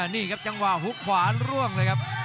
นี่ครับจังหวะฮุกขวาร่วงเลยครับ